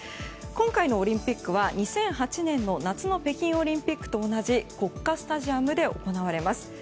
今回のオリンピックは２００８年の夏の北京オリンピックと同じ国家スタジアムで行われます。